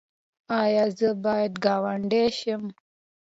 ایا زه باید ګاونډی شم؟